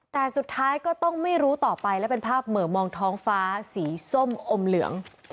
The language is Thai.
แต่สุดท้ายก็ต้องไม่รู้ต่อไปและเป็นภาพเหมือมองท้องฟ้าสีส้มอมเหลือง